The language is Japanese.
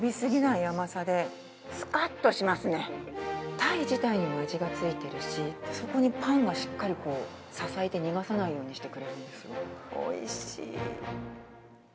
タイ自体に味がついているし、そこにパンがしっかり支えて逃がさないようにしてくれるんですよ、おいしい。